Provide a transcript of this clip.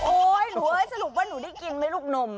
หนูเอ้ยสรุปว่าหนูได้กินไหมลูกนม